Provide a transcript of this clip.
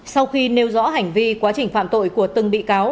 sau khi nêu rõ hành vi quá trình phạm tội của từng bị cáo